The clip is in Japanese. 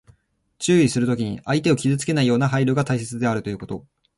注意するときに、相手を傷つけないような配慮が大切であるということ。